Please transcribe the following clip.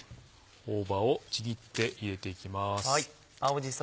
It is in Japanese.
大葉をちぎって入れていきます。